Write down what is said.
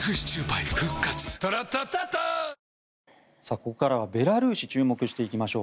ここからはベラルーシ注目していきましょう。